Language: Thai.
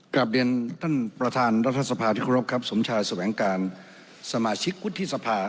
กราบเรียนท่านประธานรัฐสภาพิทธิครบครับสมชายสแหวงการสมาชิกกุฏธิสภา